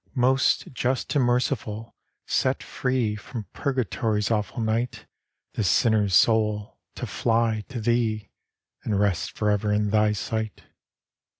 Most Just and Merciful, set free From Purgatory's awful night This sinner's soul, to fiy to Thcc And rest forever in Thy sight."